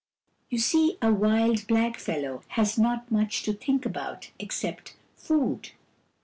You see, a wild blackfellow has not much to think about except food.